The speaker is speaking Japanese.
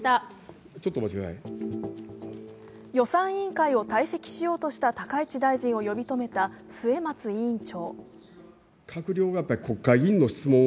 予算委員会を退席しようとした高市大臣を呼び止めた末松予算委員長。